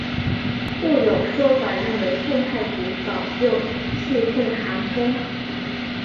故有说法认为宋太祖早就忌讳韩通。